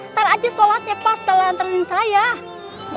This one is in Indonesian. ntar aja sholatnya pas telah anterin saya